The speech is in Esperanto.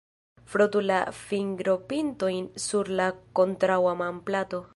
Frotu la fingropintojn sur la kontraŭa manplato.